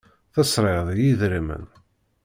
Tesriḍ i yedrimen.